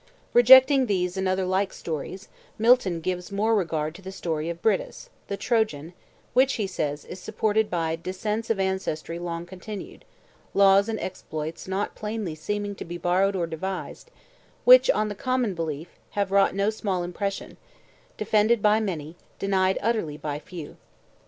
Rejecting these and other like stories, Milton gives more regard to the story of Brutus, the Trojan, which, he says, is supported by "descents of ancestry long continued, laws and exploits not plainly seeming to be borrowed or devised, which on the common belief have wrought no small impression; defended by many, denied utterly by few."